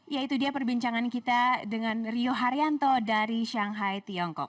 ya itu dia perbincangan kita dengan rio haryanto dari shanghai tiongkok